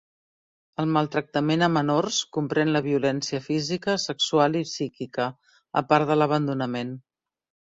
El maltractament a menors comprèn la violència física, sexual i psíquica, a part de l'abandonament.